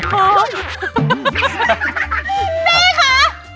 แม่คะ